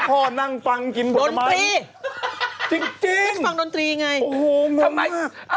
พ่อนั่งปังกินบรรตามันจริงโอ้โฮมันมาก